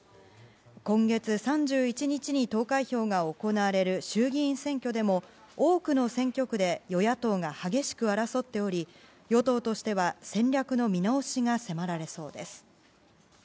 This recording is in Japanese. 今月３１日に投開票が行われる衆議院選挙でも、多くの選挙区で与野党が激しく争っており与党としては戦略の見直しが迫られそうです。